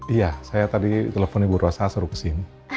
iya saya tadi telepon ibu rosa suruh kesini